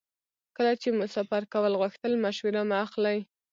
کله چې مو سفر کول غوښتل مشوره مه اخلئ.